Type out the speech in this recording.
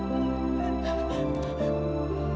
gue harus jalan